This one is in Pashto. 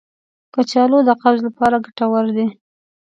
کچالو د قبض لپاره ګټور دی.